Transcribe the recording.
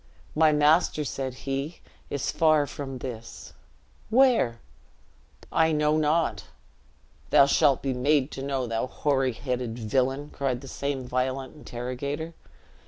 "My master," said he, "is far from this." "Where?" "I know not." "Thou shalt be made to know, thou hoary headed villian!" cried the same violent interrogator.